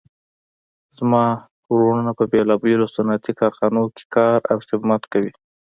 زما وروڼه په بیلابیلو صنعتي کارخانو کې کار او خدمت کوي